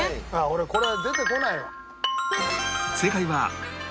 俺これは出てこないわ。